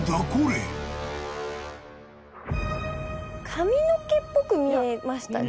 髪の毛っぽく見えました女性の。